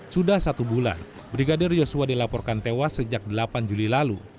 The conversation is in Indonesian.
sudah satu bulan brigadir yosua dilaporkan tewas sejak delapan juli lalu